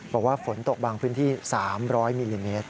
บอกว่าฝนตกบางพื้นที่๓๐๐มิลลิเมตร